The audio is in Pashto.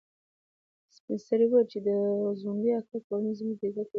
سپین سرې وویل چې د ځونډي اکا کورنۍ زموږ د عزت لوړې ستنې دي.